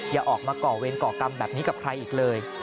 อย่าออกมาก่อเวรก่อกรรมแบบนี้กับใครอีกเลย